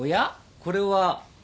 これは。